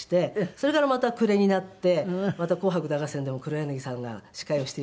それからまた暮れになってまた『紅白歌合戦』でも黒柳さんが司会をしていただいて。